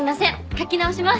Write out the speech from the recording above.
書き直します！